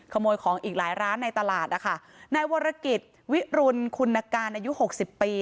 ขโมยของอีกหลายร้านในตลาดนะคะนายวรกิจวิรุณคุณการอายุหกสิบปี